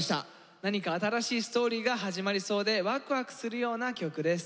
何か新しいストーリーが始まりそうでワクワクするような曲です。